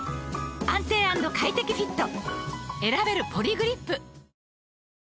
「安定＆快適フィット」